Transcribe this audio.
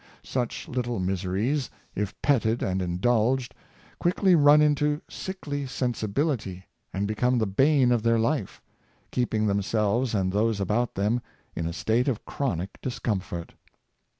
Such little miseries, if petted and indulged, quickly run into sickly sensibility, and become the bane of their life, keeping themselves and those about them in a state of chronic discomfort.